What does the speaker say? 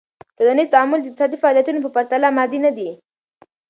ټولنیز تعامل د اقتصادی فعالیتونو په پرتله مادي ندي.